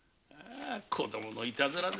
子供のいたずらでしょう